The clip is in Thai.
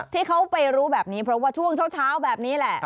ที่เขาไปรู้แบบนี้เพราะว่าช่วงเช้าแบบนี้แหละ